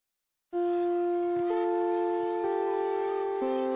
うん。